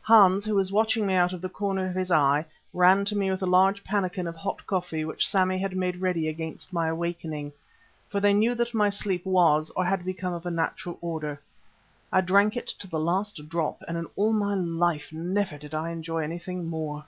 Hans, who was watching me out of the corner of his eye, ran to me with a large pannikin of hot coffee which Sammy had made ready against my awakening; for they knew that my sleep was, or had become of a natural order. I drank it to the last drop, and in all my life never did I enjoy anything more.